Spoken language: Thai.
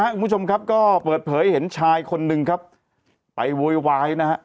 คุณผู้ชมครับก็เปิดเผยเห็นชายคนหนึ่งครับไปโวยวายนะฮะ